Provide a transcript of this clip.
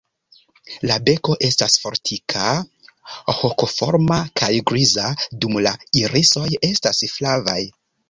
La beko estas fortika, hokoforma kaj griza, dum la irisoj estas flavaj.